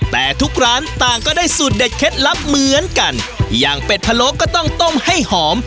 แต่ทุกร้านต่างก็ได้สูตรเด็ดเคล็ดลับเหมือนกันอย่างเป็ดพะโล้ก็ต้องต้มให้หอม